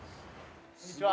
こんにちは。